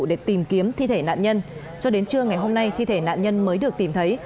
để tìm kiếm thi thể nạn nhân cho đến trưa ngày hôm nay thi thể nạn nhân mới được tìm thấy